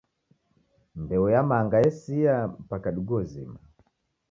Mbeu ya manga yesia mpaka diguo zima